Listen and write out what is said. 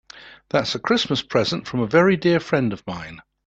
That's a Christmas present from a very dear friend of mine.